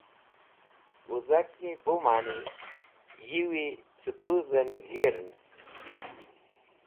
Wẽzakni bu mani yiwi cẽpudhẽn g̃hirẽn.